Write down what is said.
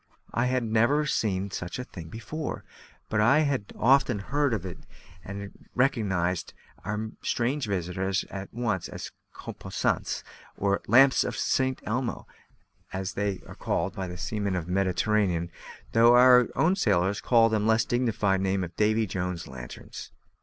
I had never seen such a thing before, but I had often heard of it, and I recognised our strange visitors at once as corposants, or "lamps of Saint Elmo," as they are called by the seamen of the Mediterranean; though our own sailors call them by the less dignified name of "Davy Jones' lanterns."